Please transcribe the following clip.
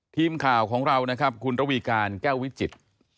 ทีมข่าวคุณระวีการแก้ววิจิต